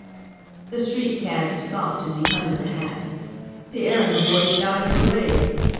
The street cad scoffed as he hunted the hat, The errand boy shouted hooray!